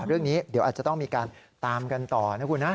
เรื่องนี้เดี๋ยวอาจจะต้องมีการตามกันต่อนะคุณนะ